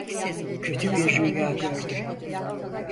Kötü bir rüya gördüm.